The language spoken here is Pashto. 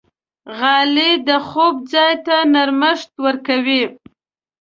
غالۍ د خوب ځای ته نرمښت ورکوي.